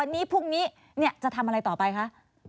นี่จะทำอะไรต่อไปคะ